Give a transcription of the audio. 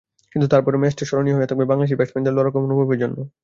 কিন্তু তারপরও ম্যাচটা স্মরণীয় হয়ে থাকবে বাংলাদেশি ব্যাটসম্যানদের লড়াকু মনোভাবের জন্য।